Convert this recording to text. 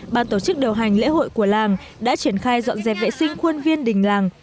ban tổ chức điều hành lễ hội của làng đã triển khai dọn dẹp vệ sinh khuôn viên đình làng